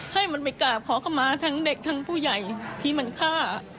ให้มันไปกราบขอเข้ามาทั้งเด็กทั้งผู้ใหญ่ที่มันฆ่า